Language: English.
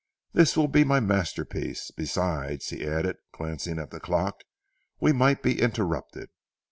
This will be my master piece. Besides," he added glancing at the clock, "we might be interrupted.